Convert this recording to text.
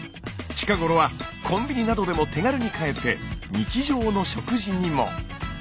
近頃はコンビニなどでも手軽に買えて日常の食事にも。